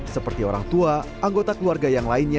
seperti orang tua anggota keluarga